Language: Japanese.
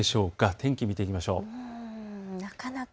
天気、見ていきましょう。